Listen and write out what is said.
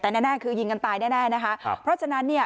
แต่แน่แน่คือยิงกันตายแน่แน่นะคะครับเพราะฉะนั้นเนี่ย